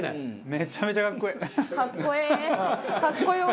めちゃめちゃ格好いい。